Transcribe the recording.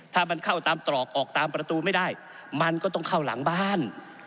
ถ้ามันเข้าตามตรอกออกตามประตูไม่ได้มันก็ต้องเข้าหลังบ้าน